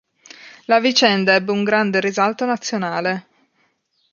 La vicenda ebbe un grande risalto nazionale.